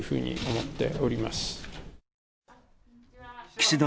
岸田